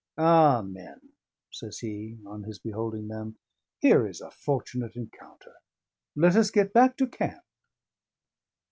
"Ah, men!" says he, on his beholding them. "Here is a fortunate encounter. Let us get back to camp."